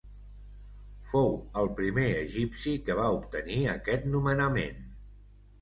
Fou el primer egipci que va obtenir aquest nomenament.